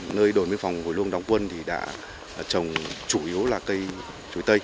nơi đồn miếng phòng hồi luông đóng quân thì đã trồng chủ yếu là cây chuối tây